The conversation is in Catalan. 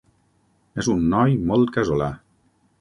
És un noi molt casolà.